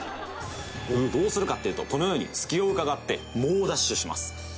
「どうするかっていうとこのように隙を伺って猛ダッシュします」